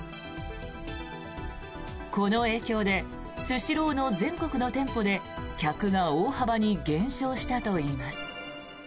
この影響でスシローの全国の店舗で客が大幅に減少したといいます。